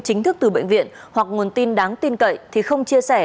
chính thức từ bệnh viện hoặc nguồn tin đáng tin cậy thì không chia sẻ